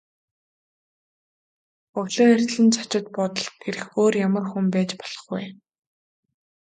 Өглөө эртлэн зочид буудалд ирэх өөр ямар хүн байж болох вэ?